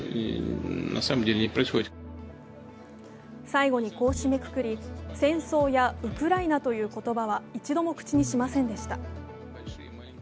最後にこうしめくくり、戦争やウクライナという言葉は一度も口にしませんでした。